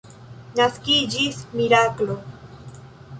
Naskiĝis miraklo.